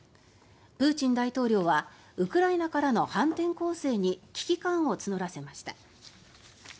プーチン大統領はウクライナからの反転攻勢に危機感を募らせました。